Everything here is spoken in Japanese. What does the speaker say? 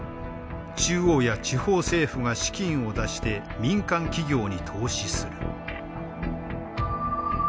中央や地方政府が資金を出して民間企業に投資する。